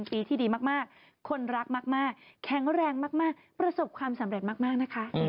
ปีที่ดีมากคนรักมากแข็งแรงมากประสบความสำเร็จมากนะคะ